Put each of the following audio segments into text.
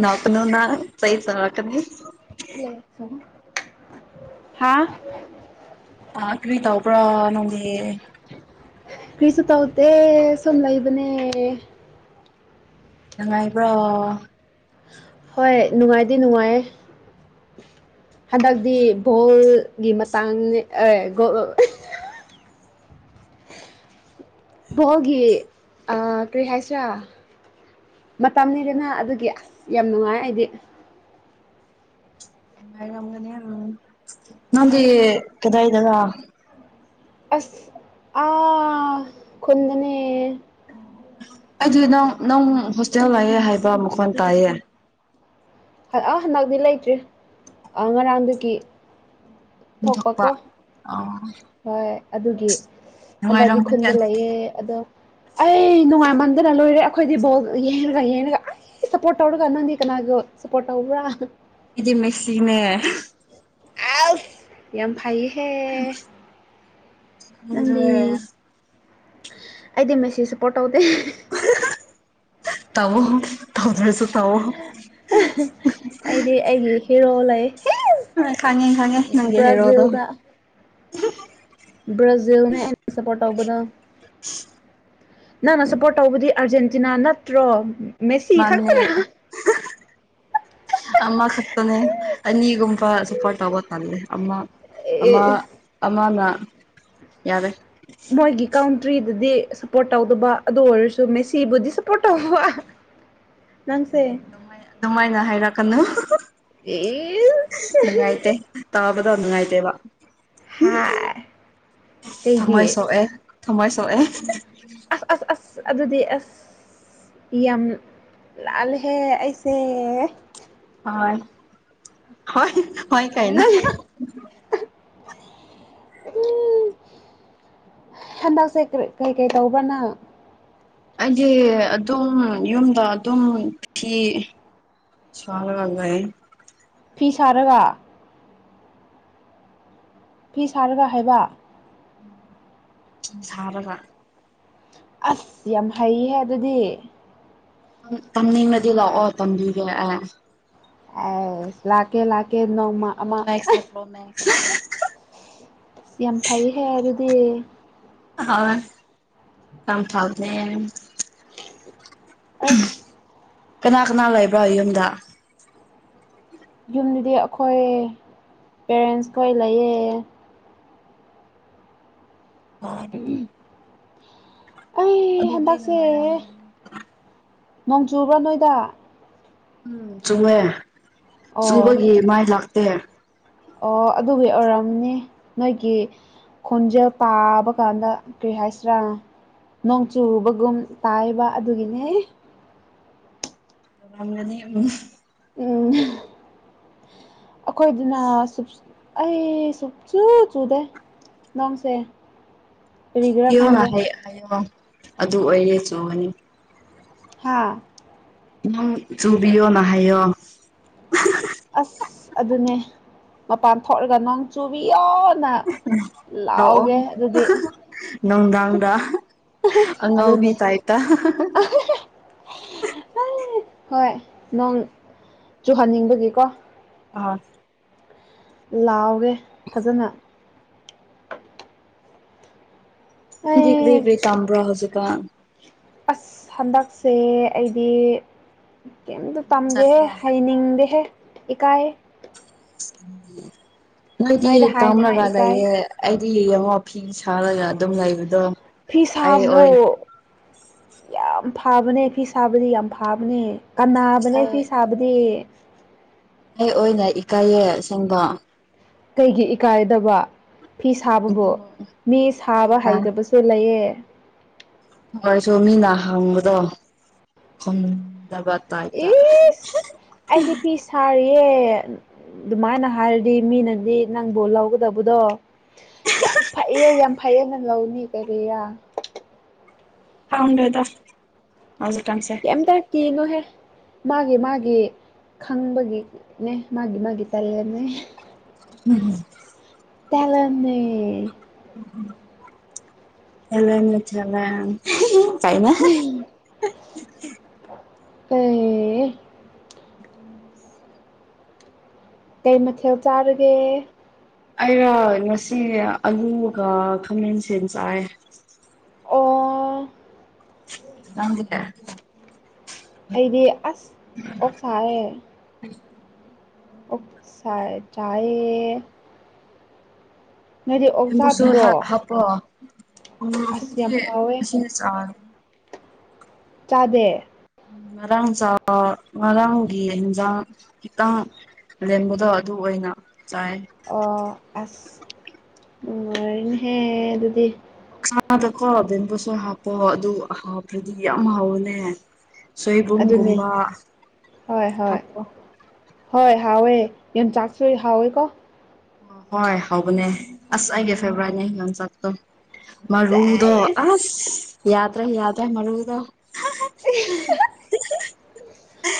ꯅ ꯀꯅꯨꯅ ꯁꯩ ꯁꯔꯀꯅꯤ ꯍꯥꯥ ꯑ ꯀꯕꯤꯇꯥ ꯑꯣ ꯄꯨ꯭ꯔꯥ ꯅꯪ ꯀ꯭ꯔꯤꯁꯨ ꯇꯧꯇ ꯁꯟ ꯂꯩꯏꯕꯅꯦ ꯑ ꯏꯕ꯭ꯔꯣ ꯍꯣꯏ ꯅꯨꯡꯉꯥꯏꯗꯤ ꯅꯨꯡꯉꯥꯏ ꯍꯟꯗꯛꯇꯤ ꯕꯣꯜꯒꯤ ꯃꯇꯥꯡꯅꯦ ꯑꯦ ꯕꯣꯜꯒꯤ ꯀꯔꯤ ꯍꯥꯏꯁꯤꯔꯥ ꯃꯇꯝꯅꯤꯗꯅ ꯑꯗꯨꯒꯤ ꯑꯁ ꯌꯥꯝ ꯅꯨꯡꯉꯥꯏ ꯑꯩꯗꯤ ꯒꯅꯤ ꯅꯗꯤ ꯀꯗꯥꯗꯒ ꯑꯁ ꯑ ꯀꯨꯟꯗꯅꯦ ꯑꯩꯗꯤ ꯅꯪ ꯅꯪ ꯍꯣꯁꯇꯦꯜ ꯂꯥꯛꯑꯦ ꯍꯥꯏꯕ ꯃꯈꯣꯟ ꯇꯥꯏꯌꯦ ꯑꯥ ꯍꯟꯗꯛꯇꯤ ꯂꯩꯇ꯭ꯔꯤ ꯑ ꯉꯔꯥꯡꯗꯨꯒꯤ ꯊꯣꯛꯄ ꯑ ꯍꯣꯏ ꯑꯗꯨꯒꯤ ꯍꯟꯗꯛꯤ ꯅꯨꯡꯉꯥꯏꯔꯝꯒꯅꯤ ꯈꯨꯟꯗ ꯑꯗꯨꯗꯤ ꯂꯩꯌꯦ ꯑꯗꯣ ꯑꯩꯅꯨꯡ ꯃꯥꯏꯃꯟꯗꯅ ꯂꯣꯏꯔꯦ ꯑꯩꯈꯣꯏꯗꯤ ꯕꯣꯜ ꯌꯦꯟꯒ ꯌꯦꯟꯉꯒ ꯁꯄꯣꯔꯠ ꯑꯣꯎ꯭ꯔꯒ ꯑꯅꯣꯗꯤ ꯀꯅꯥꯒ ꯁꯄꯣꯔꯠ ꯑꯣꯎ꯭ꯔꯥ ꯗꯤ ꯃꯦꯁꯤꯅꯦ ꯑꯁ ꯌꯥꯝ ꯐꯩꯌꯦ ꯑꯗ ꯅꯪꯗꯤ ꯑꯩꯗꯤ ꯃꯦꯁꯤꯦ ꯁꯦꯄꯣꯔꯠ ꯇꯧꯗꯦ ꯇꯕꯨ ꯇꯕꯨ ꯑꯩꯗꯤ ꯑꯩꯒꯤ ꯍꯤꯔꯣ ꯂꯩ ꯑ ꯈꯉꯦ ꯈꯥꯉꯦ ꯅꯪ ꯍꯣꯗ ꯕꯥꯖꯤꯜꯅ ꯑꯦ ꯁꯄꯣꯔ ꯅꯪꯅ ꯁꯞꯄꯣꯔꯠ ꯇꯧꯕꯗꯤ ꯑꯥꯔꯖꯦꯟꯇꯤꯅꯥ ꯅꯠꯇ꯭ꯔꯣ ꯃ ꯁꯤ ꯈꯥ ꯈꯔ ꯑꯃ ꯈꯠꯇꯅꯦꯅꯤꯒꯨꯝꯕ ꯁꯄꯣꯔꯠ ꯇꯒ ꯇꯜꯂꯦ ꯑꯃ ꯑꯃꯥ ꯑꯃꯥꯅ ꯌꯥꯔꯦ ꯃꯣꯏꯒꯤ ꯀꯥꯎꯟꯇ꯭ꯔꯤꯗꯗꯤ ꯁꯞꯄꯣꯔꯠ ꯇꯧꯗꯕ ꯑꯗꯨ ꯑꯣꯏꯔꯁꯨ ꯃꯦꯁꯤꯕꯨꯗꯤ ꯁꯞꯄꯣꯔꯠ ꯇꯧꯕ ꯅꯪꯁꯦ ꯑꯗꯨꯃꯥꯏ ꯑꯗꯨꯃꯥꯏꯅ ꯍꯥꯏꯔꯛꯀꯅꯨ ꯏꯁ ꯅꯪꯥꯏꯇꯦ ꯇꯥꯕꯗ ꯅꯉꯥꯏꯇꯦ ꯋꯥ ꯍꯥ ꯊꯝꯃꯣꯏ ꯁꯣꯛꯑꯦ ꯊꯝꯃꯣꯏ ꯁꯣꯛꯑꯦ ꯑꯁ ꯑꯁ ꯑꯁ ꯑꯗꯨꯗꯤ ꯑꯁ ꯌꯥꯝ ꯂꯥꯜꯂꯍꯦ ꯑꯩꯁꯦ ꯍꯣꯏ ꯀꯥꯏꯅ ꯅꯪ ꯎꯝ ꯍꯟꯗꯛꯁꯦ ꯀꯩꯀꯩ ꯇꯧꯕ꯭ꯔꯅ ꯑꯩꯗꯤ ꯑꯗꯨꯝ ꯌꯨꯝꯗ ꯑꯗꯨꯝ ꯐꯤ ꯆꯂ ꯍꯒꯥꯏ ꯐꯤ ꯁꯥꯔꯒ ꯐꯤ ꯁꯥꯔꯒ ꯍꯥꯏꯕ ꯁꯥꯔꯒ ꯑꯁ ꯌꯥꯝ ꯍꯩꯍꯦ ꯑꯗꯨꯗꯤ ꯇꯝꯅꯤꯡꯉꯗꯤ ꯂꯥꯛꯑꯣ ꯇꯝꯕꯤꯒꯦ ꯑꯦ ꯑꯦ ꯂꯥꯛꯀꯦ ꯂꯥꯛꯀꯦꯣ ꯑ ꯄ꯭ꯔꯣꯃꯦꯛꯁꯅꯦ [inaudible] ꯌꯥꯝ ꯐꯩ ꯍꯥꯏ ꯑꯗꯨꯗꯤ ꯍ ꯀꯝ ꯊꯥꯎꯗ ꯑ ꯀꯅꯥ ꯀꯅꯥ ꯂꯩꯕ꯭ꯔꯣ ꯌꯨꯝꯗ ꯌꯨꯝꯗꯗꯤ ꯑꯩꯈꯣꯏ ꯄꯦꯔꯦꯟꯁꯈꯣꯏ ꯂꯩꯌꯦ ꯑꯣ ꯎꯝ ꯎꯝ ꯑꯗꯨꯗꯤ ꯍꯟꯗꯛꯁꯦ ꯅꯨꯡꯉꯥꯏꯔꯗ ꯅꯣꯡ ꯆꯨꯕꯣ ꯅꯣꯏꯗ ꯎꯝ ꯆꯨꯝꯑꯦ ꯑꯣ ꯆꯨꯝꯕꯒꯤ ꯃꯥꯏ ꯂꯥꯛꯇꯦ ꯑꯣ ꯑꯗꯨꯒꯤ ꯑꯣꯏꯔꯝꯅꯤ ꯅꯣꯏꯒꯤ ꯈꯣꯟꯖꯦꯜ ꯄꯥꯕ ꯀꯥꯟꯗ ꯀꯔꯤ ꯍꯥꯏꯁꯔꯥ ꯅꯣꯡ ꯆꯨꯨꯕꯒꯨꯝ ꯇꯥꯏꯕ ꯑꯗꯨꯒꯤꯅꯦ ꯑꯗꯤ ꯎꯝ ꯑꯩꯈꯣꯏꯗꯨꯅ ꯍꯥꯎꯔꯁꯨ ꯑꯩ ꯁꯨꯛ ꯆꯨ ꯆꯨꯗꯦ ꯅꯣꯡꯁꯦ ꯀꯔꯤꯒꯤꯔꯥ ꯆꯨꯕꯤꯌꯣꯅ ꯈꯪꯗꯦ ꯍꯥꯏꯌꯦ ꯍꯥꯏꯌꯣ ꯑꯗꯨ ꯑꯣꯏꯔꯦ ꯆꯨꯕꯅꯤ ꯍꯥꯥ ꯅꯣꯡ ꯆꯨꯕꯤꯌꯣꯅ ꯍꯥꯏꯌꯣ ꯑꯁ ꯑꯗꯨꯅꯦ ꯃꯄꯥꯟ ꯊꯣꯛꯂꯒ ꯅꯪ ꯆꯨꯕꯤꯌꯣ ꯀꯅ ꯂꯥꯛꯑꯣ ꯂꯥꯎꯒꯦ ꯑꯗꯨꯗꯤ ꯅꯨꯡꯗꯥꯡꯗ ꯑꯉꯥꯎꯕꯤ ꯑꯗꯨꯅꯦ ꯇꯥꯏꯞꯇ ꯍꯣꯏ ꯅꯣꯡ ꯆꯨꯍꯟꯅꯤꯡꯕꯒꯤꯀꯣ ꯑꯥꯁ ꯂꯥꯎꯑꯣꯒꯦ ꯐꯖꯅ ꯀꯔꯤ ꯑꯩ ꯀꯔꯤ ꯇꯝꯕ꯭ꯔꯥ ꯍꯧꯖꯤꯀꯥꯟ ꯑꯁ ꯍꯟꯗꯛꯁꯦ ꯑꯩꯗꯤ ꯀꯩꯝꯇ ꯇꯝꯗꯦꯍꯦ ꯆꯠꯄ꯭ꯔꯣ ꯍꯩꯅꯤꯡꯗꯦꯍꯦ ꯏꯀꯥꯏꯌꯦ ꯃꯥꯏꯗꯤ ꯅꯣꯏꯗ ꯍꯥꯏꯅꯤꯡꯉꯥꯏ ꯇꯝꯅꯔ ꯏꯀꯥꯏ ꯂꯩꯌꯦ ꯀꯔꯤ ꯑꯃ ꯐꯤ ꯁꯥꯔꯒ ꯑꯗꯨꯝ ꯂꯩꯕꯗꯣ ꯑꯩ ꯐꯤꯁꯕꯣ ꯑꯣꯏ ꯌꯥꯝ ꯐꯥꯕꯅꯦ ꯐꯤ ꯁꯥꯕꯗꯤ ꯌꯥꯝ ꯐꯥꯕꯅꯦ ꯀꯟꯅꯕꯅꯦ ꯐꯤ ꯑꯩ ꯁꯥꯕꯗꯤ ꯑꯩ ꯑꯣꯏꯅ ꯏꯀꯥꯏꯌꯦ ꯑꯁꯦꯡꯕ ꯀꯩꯒꯤ ꯏꯀꯥꯏꯗꯧꯕ ꯐꯤ ꯁꯥꯕꯕꯨ ꯑꯗꯨ ꯃꯤ ꯁꯥꯕ ꯏꯀꯥꯏꯌꯦꯅ ꯍꯩꯇꯕꯁꯨ ꯂꯩꯌꯦ ꯑꯣꯏꯔꯁꯨ ꯃꯤꯅ ꯍꯥꯡꯕꯗꯣ ꯈꯨꯝꯗꯕ ꯇꯥꯏꯞꯇ ꯑꯦ ꯑꯗꯨꯃꯥꯏꯅ ꯍꯥꯏꯔꯗꯤ ꯃꯤꯅꯗꯤ ꯅꯪꯕꯨ ꯂꯧꯒꯗꯕꯗꯣ ꯌꯥꯝ ꯐꯩꯌꯦ ꯌꯥꯝ ꯐꯩꯌꯦꯅ ꯂꯧꯅꯤ ꯀꯔꯤꯔ ꯈꯪꯗꯦꯗ ꯍꯧꯖꯤꯛꯀꯥꯟꯁꯦ ꯀꯌꯦꯝꯇ ꯀꯤꯅꯨꯍꯦ ꯃꯥꯒꯤ ꯃꯥꯒꯤ ꯈꯪꯕꯒꯤꯅꯦ ꯃꯥꯒꯤ ꯃꯥꯒꯤ ꯇꯂꯦꯟꯅꯦ ꯎꯝꯝ ꯇꯂꯦꯟꯅꯦ ꯇꯂꯦꯟꯅꯦ ꯇꯂꯦꯟ ꯀꯥꯏꯅ [unintelligible] ꯀꯩ ꯃꯊꯦꯜ ꯆꯥꯔꯒꯦ ꯑꯩꯔ ꯉꯁꯤ ꯑꯂꯨꯒ ꯈꯥꯃꯦꯟ ꯁꯤꯟ ꯆꯥꯏꯌꯦ ꯑꯣ ꯅꯪꯒꯤꯗꯦ ꯑꯩꯗꯤ ꯑꯁ ꯑꯣꯛ ꯆꯥꯏꯔꯦ ꯑꯣꯛꯁꯥ ꯆꯥꯏꯌꯦ ꯅꯣꯏꯗꯤ ꯑꯣꯛ ꯁꯨ ꯆꯥꯗꯕ꯭ꯔꯣ ꯍꯥ ꯍꯥꯄ ꯎꯃꯨꯔꯣꯛ ꯑꯁ ꯌꯥꯝ ꯈꯣꯏꯗꯤ ꯍꯥꯎꯋꯦ ꯁꯤꯗ ꯆꯥꯔꯅꯨ ꯆꯥꯗꯦ ꯉꯔꯥꯡ ꯉꯔꯥꯡꯒꯤ ꯑꯦꯟꯖꯥꯡ ꯈꯤꯇꯪ ꯂꯦꯝꯕꯗꯣ ꯑꯗꯨ ꯑꯣꯏꯅ ꯆꯥꯏ ꯑꯣ ꯑꯁ ꯅꯨꯡꯉꯥꯏꯌꯦꯅꯍꯦ ꯑꯗꯨꯗꯤ ꯑꯣꯁꯗꯀꯣ ꯕꯦꯝꯕꯨꯁꯨ ꯍꯥꯞꯄꯣ ꯑꯗꯨ ꯍꯥꯞꯈꯔꯗꯤ ꯌꯥꯝ ꯍꯥꯎꯋꯅꯦ ꯑꯗꯨꯅꯦ ꯁꯣꯏꯕꯨꯝꯒꯨꯝꯕ ꯍꯣꯏ ꯍꯣꯏ ꯍꯥꯄ ꯍꯣꯏ ꯍꯥꯎ ꯋꯦ ꯌꯣꯡꯆꯥꯛꯁꯨ ꯍꯥꯎꯦ ꯀꯣ ꯑꯣ ꯍꯣꯏ ꯍꯧꯕꯅꯦ ꯑꯁ ꯑꯩꯒꯤ ꯐꯦꯕꯣꯔꯥꯏꯠꯅꯦ ꯌꯣꯡꯆꯥꯛꯠꯇꯣ ꯃꯔꯨꯗꯣ ꯆꯥꯏꯁ ꯑꯁ ꯌꯥꯗ꯭ꯔꯦ ꯌꯥꯗ꯭ꯔꯦ ꯃꯔꯨꯗꯣ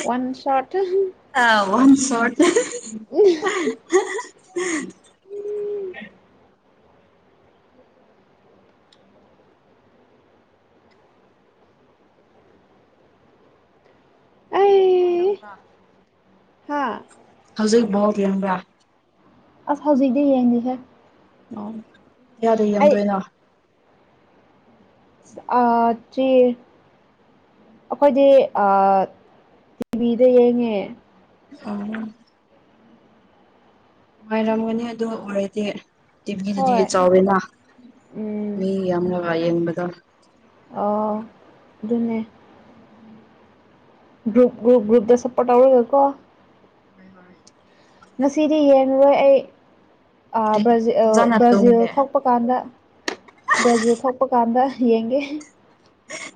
ꯋꯥꯟ ꯁꯣꯠ ꯑ ꯋꯥꯟ ꯁꯣꯠ ꯎꯝ ꯎꯝ ꯑ ꯑ ꯌꯥꯥ ꯍꯥꯥ ꯕꯣꯜ ꯌꯦꯡꯕꯔꯥ ꯑꯁ ꯍꯧꯖꯤꯛ ꯇꯤ ꯌꯦꯡꯗꯦꯍꯦ [unintelligible] ꯌꯦꯡꯗꯣꯏꯅꯣ ꯑ ꯆꯦ ꯑꯩꯈꯣꯏꯗꯤ ꯇꯤꯚꯤꯗ ꯌꯦꯡꯉꯦ ꯑꯣ ꯅꯨꯡꯉꯥꯏꯔꯝꯒꯅꯤ ꯑꯗꯨ ꯑꯣꯏꯔꯗꯤ ꯇꯤꯕꯤꯗꯨꯗꯤ ꯍꯣꯏ ꯆꯥꯎꯋꯦꯅ ꯎꯝ ꯃꯤ ꯌꯥꯝꯅ ꯋꯥꯥꯏ ꯌꯦꯡꯕꯗ ꯑꯣ ꯑꯗꯨꯅꯦ ꯭ꯒꯔꯨꯨꯞ ꯒ꯭ꯔꯨꯄꯗ ꯁꯄꯇ ꯑꯣꯏꯔꯒꯀꯣ ꯍꯣꯏ ꯍꯣꯏ ꯃꯁꯤꯁꯤꯗꯤ ꯌꯦꯅ ꯑꯩ ꯑꯗꯨꯒꯤ ꯕ꯭ꯔ ꯐꯖꯅ ꯕ꯭ꯔꯥꯖꯤꯜ ꯇꯨꯝꯒꯦ ꯊꯣꯛꯄ ꯀꯥꯟꯗ ꯕ꯭ꯔꯥꯖꯤꯜ ꯊꯣꯛꯄ ꯀꯥꯟꯗ ꯌꯦꯡꯒꯦ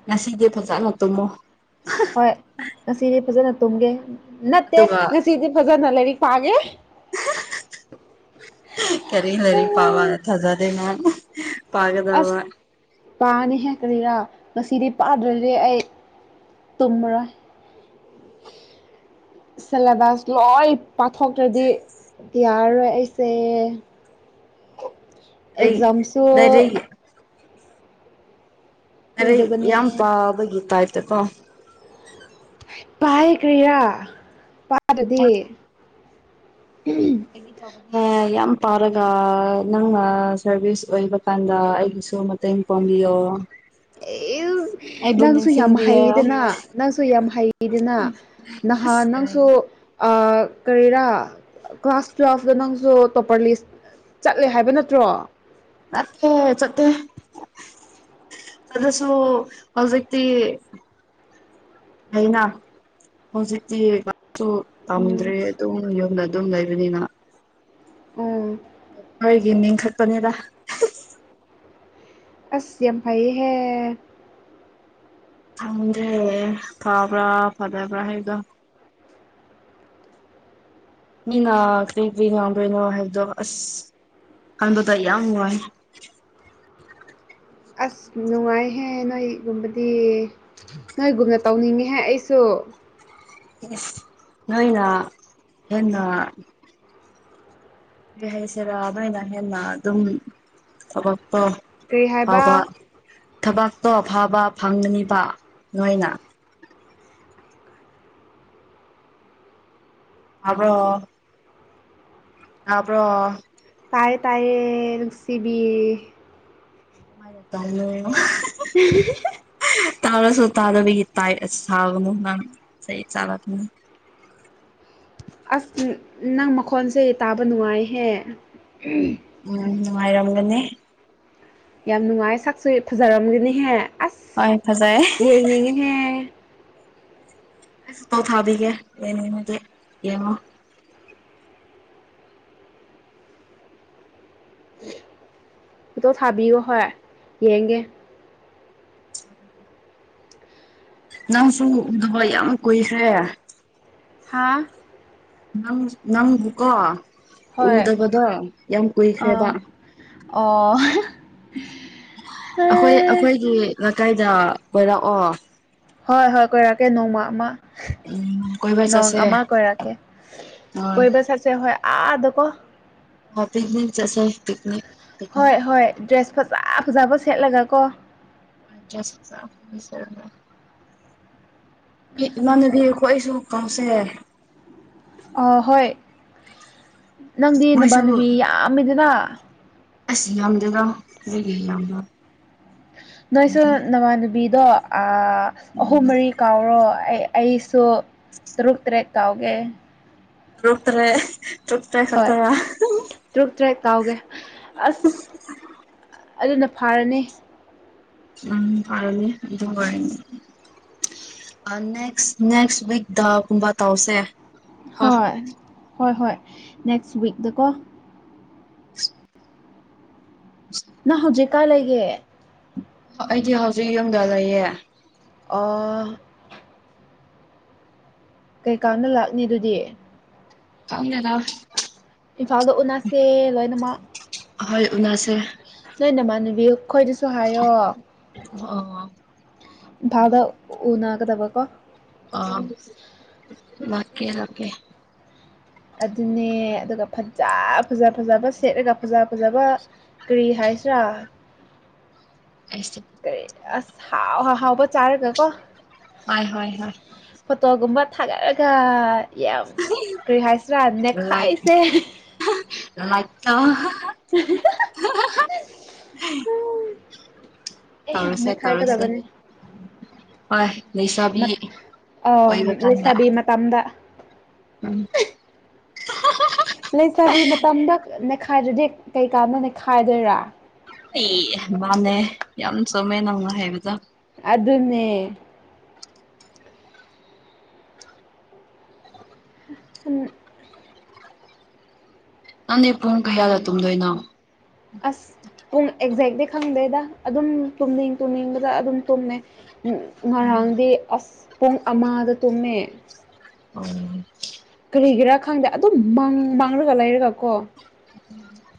ꯉꯁꯤꯗꯤ ꯐꯖ ꯍꯥꯛꯇꯨꯝꯃꯣ ꯍꯣꯏ ꯉꯁꯤꯗꯤ ꯐꯖꯅ ꯇꯨꯝꯒꯦ ꯅꯠꯇꯦ ꯑꯗꯨꯒ ꯉꯁꯤꯗꯤ ꯐꯖꯅ ꯂꯥꯏꯔꯤꯛ ꯄꯥꯒꯦ ꯀꯔꯤ ꯂꯩꯔꯤ ꯄꯥꯕ ꯇꯥꯖꯥꯗꯦꯅ ꯄꯥꯒꯗꯕ ꯄꯥꯅꯤ ꯍꯦꯛꯀꯔꯤꯔꯥ ꯉꯁꯤꯗꯤ ꯄꯥꯗ꯭ꯔꯣꯏꯗꯤ ꯑꯩ ꯇꯨꯝꯃꯔꯣꯏ ꯁꯂꯦꯕꯁ ꯂꯣꯏ ꯄꯥꯊꯣꯛꯇ꯭ꯔꯗꯤ ꯌꯥꯔꯦ [unintelligible] ꯂꯥꯏꯔꯤꯛ ꯑꯦꯛꯖꯝꯁꯨ ꯂꯥꯏꯔꯤꯛ ꯑꯔꯦ ꯀꯨꯏꯗꯕꯅꯦ ꯌꯥꯝ ꯄꯥꯕꯒꯤ ꯇꯥꯏꯞꯇꯦꯀꯣ ꯄꯥꯏ ꯀꯔꯤꯔ ꯄꯥꯗꯗꯤ ꯑꯩꯒꯤ ꯇꯥꯕꯅꯦ ꯌꯥꯝ ꯄꯥꯔꯒ ꯅꯪꯅ ꯁꯔꯚꯤꯁ ꯑꯣꯏꯕ ꯀꯥꯟꯗ ꯑꯩꯒꯤ [unintelligible] ꯃꯇꯦꯡ ꯄꯥꯡꯕꯤꯌꯣ ꯑꯦ ꯑꯩꯕꯨ ꯅꯪꯁꯨ ꯌꯥꯝ ꯅꯤꯡꯁꯤꯡꯕꯤꯌꯣ ꯍꯩꯗꯅ ꯅꯪꯁꯨ ꯌꯥꯝ ꯍꯩꯗꯅ ꯅꯍꯥ ꯑꯁ ꯀꯔꯤ ꯅꯪꯁꯨ ꯀꯔꯤꯔꯥ ꯀ꯭ꯂꯥꯁ ꯇꯨꯋꯦꯜꯐꯇ ꯅꯪꯁꯨ ꯇꯣꯄꯔ ꯂꯤꯁ ꯆꯠꯂꯦ ꯍꯥꯏꯕ ꯅꯠꯇ꯭ꯔꯣ ꯅꯠꯇꯦ ꯆꯠꯇ ꯆꯗꯁꯨꯣ ꯍꯧꯖꯤꯛꯛꯇ ꯍꯥꯏꯅꯥ ꯍꯧꯖꯤꯛꯇꯤ ꯁ ꯎꯝ ꯄꯝꯗ꯭ꯔꯦ ꯑꯗꯨꯝ ꯌꯨꯝꯗ ꯑꯗꯨꯝ ꯂꯩꯕꯅꯤꯅ ꯎꯝ ꯍꯣꯏꯒꯤ ꯅꯤꯡꯈꯠꯄꯅꯤꯗ ꯑꯁ ꯑꯝꯐꯩꯍꯦ ꯦ ꯐꯥꯕ꯭ꯔꯥ ꯐꯥꯗꯕ ꯔꯑꯦꯒ ꯃꯤꯅꯥ ꯀꯔꯤ ꯀꯔꯤ ꯉꯥꯡꯕꯅꯣ ꯍꯥꯏꯕꯗꯣ ꯑꯁ ꯍꯗ ꯇꯌꯥꯌꯥ ꯑꯁ ꯅꯨꯡꯉꯥꯏꯍꯦ ꯅꯣꯏꯒꯨꯝꯕꯗꯤ ꯅꯣꯏꯒꯨꯝꯅ ꯇꯧꯅꯤꯡꯉꯦꯍꯦ ꯑꯩꯁꯨ ꯑꯣ ꯅꯣꯏꯅ ꯍꯟꯅ ꯀ ꯍꯥꯏꯩꯁꯤꯔꯥ ꯑꯗꯨꯃꯥꯏꯅ ꯍꯦꯟꯅ ꯑꯗꯨꯝ ꯊꯕꯛ ꯀꯔꯤ ꯐꯥꯎꯕ ꯍꯥꯏꯕ ꯊꯕꯇꯣ ꯐꯥꯕ ꯐꯪꯒꯅꯤꯕ ꯅꯣꯏꯅ ꯑ꯭ꯔꯣ ꯑꯞ꯭ꯔꯣ ꯇꯥꯏꯌꯦ ꯇꯥꯏꯌꯦ ꯅꯨꯡꯁꯤꯕꯤ ꯥꯏ [inaudible] ꯇꯥꯔꯁꯨ ꯇꯥꯗꯕꯒꯤ ꯁꯥꯕꯅꯨ ꯅꯪ ꯆꯍꯤ ꯆꯥꯔꯛꯀꯅꯤ ꯑꯁ ꯅꯪ ꯃꯈꯣꯟꯁꯦ ꯇꯥꯕ ꯅꯨꯡꯉꯥꯏꯍꯦ ꯎꯝ ꯅꯨꯡꯉꯥꯏꯔꯣꯒꯟꯅꯦ ꯌꯥꯝ ꯅꯨꯡꯉꯥꯏ ꯁꯛꯁꯨ ꯐꯖꯔꯝꯒꯅꯤꯍꯦ ꯑꯁ ꯍꯣꯏ ꯐꯖꯩ ꯌꯦꯡꯅꯤꯡꯉꯦꯍꯦ ꯑꯁ ꯄꯥꯎ ꯊꯥꯕꯤꯒꯦ ꯌꯦꯅꯦꯅꯒ ꯌꯦꯡꯉꯣ ꯄꯇꯣ ꯊꯥꯕꯤꯌꯣ ꯍꯣꯏ ꯌꯦꯡꯒꯦ ꯅꯪꯁꯨ ꯎꯗꯕ ꯌꯥꯝ ꯀꯨꯏꯈ꯭ꯔꯦ ꯍꯥꯥ ꯅꯪ ꯅꯪꯕꯨꯀꯣ ꯍꯣꯏ ꯎꯗꯕꯗꯣ ꯌꯥꯝ ꯀꯨꯏꯈ꯭ꯔꯦꯕ ꯑ ꯑꯣ ꯑꯩꯈꯣꯏ ꯑꯩꯈꯣꯏꯒꯤ ꯂꯩꯀꯥꯏꯗ ꯑꯣꯏꯔꯛꯑꯣ ꯍꯣꯏ ꯍꯣꯏ ꯀꯣꯏꯔꯛꯀꯦ ꯅꯣꯡꯃ ꯑꯃ ꯎꯝ ꯀꯣꯏꯕ ꯅꯣꯡ ꯆꯠꯁꯦ ꯑꯃ ꯀꯣꯏꯔꯛꯀꯦ ꯑ ꯀꯣꯏꯕ ꯆꯠꯁꯦ ꯍꯣꯏ ꯑꯥꯗ ꯋꯥ ꯍ ꯄꯛꯅꯤꯛ ꯆꯁꯦ ꯍꯣꯏ ꯍꯣꯏ ꯗ꯭ꯔꯦꯁ ꯐꯖ ꯐꯖꯕ ꯁꯦꯠꯂꯒ ꯀꯣ [inaudible] ꯏ ꯏꯃꯥꯟꯅꯗꯤꯀꯣ ꯑꯩꯁꯨ ꯀꯥꯎꯁꯦ ꯑ ꯍꯣꯏ ꯅꯪꯗꯤ ꯅꯕꯥꯅꯨꯕꯤ ꯌꯥꯝꯃꯤꯗꯅ ꯑꯁꯤ ꯌꯥꯝꯗꯕ ꯑꯩꯒꯤ ꯏꯌꯥꯝꯕ ꯅꯣꯏꯁꯨ ꯅꯃꯅꯨꯕꯤꯗꯣ ꯑꯍꯨꯝ ꯃꯔꯤ ꯀꯥꯎꯔꯣ ꯑꯩ ꯑꯩꯁꯨ ꯇꯔꯨꯛ ꯇꯔꯦꯠ ꯀꯥꯎꯒꯦ ꯔꯨꯈ꯭ꯔꯦ ꯍꯣꯏ ꯇ꯭ꯔꯨꯛ ꯇ꯭ꯔꯦ ꯀꯥꯎꯒꯦ ꯑꯁ ꯑꯗꯨꯅ ꯐꯥꯔꯅꯤ ꯎꯝ ꯐꯔꯂꯦ ꯑꯗꯨ ꯅꯦꯛꯁ ꯅꯦꯛꯁ ꯋꯤꯛ ꯗꯒꯨꯝꯕ ꯇꯧꯁꯦ ꯀꯣ ꯍꯣꯏ ꯍꯣꯏ ꯍꯣꯏ ꯅꯦꯛꯦꯛꯁ ꯎꯤꯛꯗꯀꯣ ꯅꯪ ꯍꯧꯖꯤꯛꯀꯥꯏ ꯂꯩꯒꯦ ꯑꯩꯗꯤ ꯍꯧꯖꯤꯛ ꯌꯨꯝꯗ ꯂꯩꯌꯦ ꯑꯣ ꯀꯩꯀꯥꯅ ꯂꯥꯛꯅꯤ ꯑꯗꯨꯗꯤ ꯐꯥꯎꯗꯗ ꯏꯝꯐꯥꯜꯗ ꯎꯅꯁꯦ ꯂꯣꯏꯅꯃꯛ ꯍꯣꯏ ꯎꯅꯁꯦ ꯅꯣꯏ ꯅꯃꯥꯟꯅꯨꯕꯤ ꯑꯩꯈꯣꯏꯗꯁꯨ ꯍꯥꯏꯌꯣ ꯑꯣ ꯗꯕ ꯀꯣ ꯑ ꯀꯦ ꯂꯀꯦ ꯑꯗꯨꯅꯦ ꯑꯗꯨꯒ ꯐꯖ ꯐꯖ ꯐꯖꯕ ꯁꯦꯠꯂꯒ ꯐꯖ ꯐꯖꯕ ꯀꯔꯤ ꯍꯥꯏꯁꯔꯥ ꯀꯔꯦ ꯑꯁ ꯍꯥꯎ ꯍꯥꯎ ꯍꯥꯎꯕ ꯆꯥꯔꯒ ꯀꯣ ꯍ ꯍꯣꯏ ꯍ ꯊꯥꯒꯠꯂꯒ ꯌꯥꯝ ꯀꯔꯤ ꯍꯥꯏꯁꯤꯔꯥ ꯂꯥꯏꯛ ꯅꯦꯛꯈꯥꯏꯁꯦ ꯑ ꯎ ꯅ ꯇꯧꯔꯁꯦ ꯈꯥꯏ ꯇꯧꯔꯁꯦ ꯀꯗꯕꯅꯦ ꯍꯣꯏ ꯂꯩꯁꯥꯕꯤ ꯑ ꯑꯣꯏꯕ ꯀꯥꯟꯗ ꯂꯩꯁꯕꯤ ꯃꯇꯝꯗ ꯎꯝ ꯂꯩꯁꯕꯤ ꯃꯇꯝꯗ ꯅꯦꯈꯥꯏꯗ꯭ꯔꯗꯤ ꯀꯩꯀꯥꯗ ꯅꯦꯈꯥꯏꯗꯣꯏꯔꯥ ꯑꯦ ꯃꯥꯅꯦ ꯌꯥꯝ ꯆꯨꯝꯃꯦ ꯅꯪꯅ ꯍꯥꯏꯕꯗ ꯑꯗꯨꯅꯦ [inaudible] ꯑꯃ ꯅꯪꯅꯦ ꯄꯨꯡ ꯀꯌꯥꯗ ꯇꯨꯝꯗꯣꯏꯅꯣ ꯑꯁ ꯄꯨꯡ ꯑꯦꯛꯖꯦꯂꯤ ꯈꯪꯗꯩꯗ ꯑꯗꯨꯝ ꯇꯨꯝꯅꯤꯡ ꯇꯨꯝꯅꯤꯡꯕꯗ ꯑꯗꯨꯝ ꯇꯨꯝꯃꯦ ꯉꯔꯥꯡꯗꯤ ꯑꯁ ꯄꯨꯡ ꯑꯃꯗ ꯇꯨꯝꯃꯦ ꯎꯝ ꯀꯔꯤꯒꯤꯔꯥ ꯈꯪꯗꯦ ꯑꯗꯨꯝ ꯃꯥꯡꯂꯒ ꯂꯩꯔꯒ ꯀꯣ ꯎꯝ